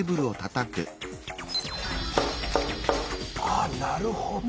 あなるほど！